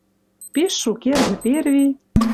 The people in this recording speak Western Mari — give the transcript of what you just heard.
Пиш шукердӹ перви